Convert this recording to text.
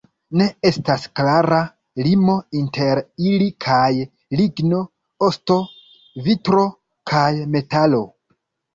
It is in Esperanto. Ne estas klara limo inter ili kaj ligno, osto, vitro kaj metalo.